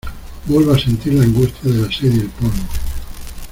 vuelvo a sentir la angustia de la sed y el polvo: